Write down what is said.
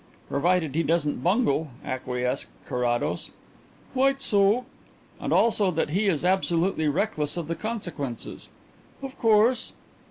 "Provided he doesn't bungle," acquiesced Carrados. "Quite so." "And also that he is absolutely reckless of the consequences." "Of course."